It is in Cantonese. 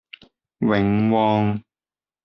永旺